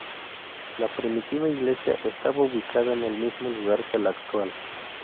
La primitiva iglesia estaba ubicada en el mismo lugar que la actual.